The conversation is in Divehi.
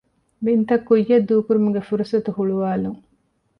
ބިންތައް ކުއްޔަށް ދޫކުރުމުގެ ފުރުޞަތު ހުޅުވާލުން